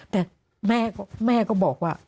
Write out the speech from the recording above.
แต่แม่ก็แม่ก็บอกว่า